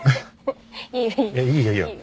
いいよいいよ。